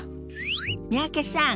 三宅さん